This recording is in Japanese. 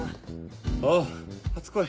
あっ初恋。